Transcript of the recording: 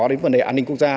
đến vấn đề an ninh quốc gia